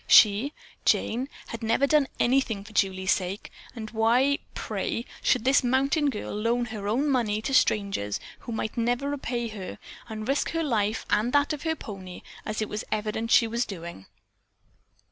She, Jane, had never done anything for Julie's sake, and why, pray, should this mountain girl loan her own money to strangers who might never repay her, and risk her life and that of her pony, as it was evident she was doing?